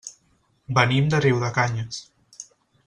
Venim de Riudecanyes.